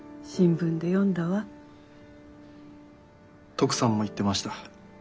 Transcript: トクさんも言ってました。